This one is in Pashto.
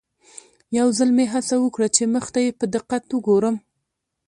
یو ځل مې هڅه وکړه چې مخ ته یې په دقت وګورم.